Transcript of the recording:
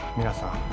皆さん。